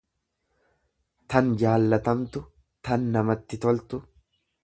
tan jaallatamtu, tan namatti toltu.